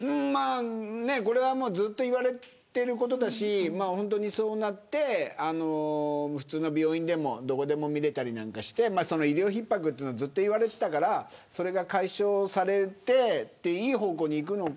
これはずっと言われていることだしそうなって、普通の病院でもどこでも診れたりなんかして医療逼迫はずっと言われていたからそれが解消されていい方向に行くのか。